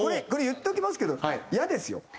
これ言っておきますけどイヤですよ。